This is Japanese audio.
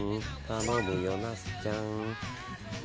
頼むよ、ナスちゃん。